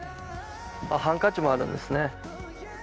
ハンカチもあるんですね。